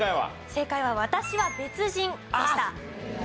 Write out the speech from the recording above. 正解は『私は別人』でした。